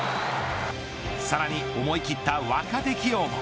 さらに思い切った若手起用も。